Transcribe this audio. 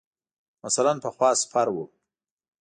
مثلاً پخوا سپر ؤ.